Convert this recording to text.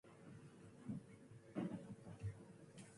"As Mary-Jo Starr"